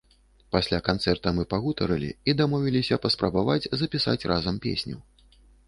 Пасля канцэрта мы пагутарылі і дамовіліся паспрабаваць запісаць разам песню.